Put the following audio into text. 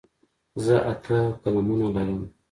زه اته قلمونه لرم.